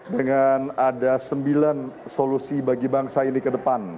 dengan ada sembilan solusi bagi bangsa ini ke depan